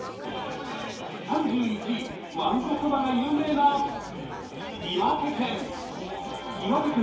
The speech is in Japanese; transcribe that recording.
３１位、わんこそばが有名な岩手県。